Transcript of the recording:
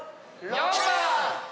４番！